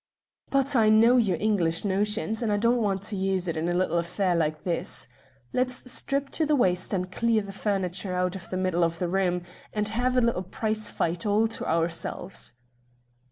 "But I know your English notions, and I don't want to use it in a little affair like this. Let's strip to the waist, and clear the furniture out of the middle of the room, and have a little prize fight all to ourselves."